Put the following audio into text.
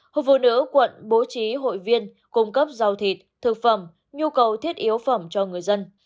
hội phụ nữ quận bố trí hội viên cung cấp rau thịt thực phẩm nhu cầu thiết yếu phẩm cho người dân